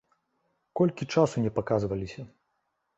Колькі часу не паказваліся.